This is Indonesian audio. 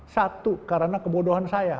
satu karena kebodohan saya